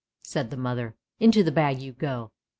" said the mother. " Into the bag you go!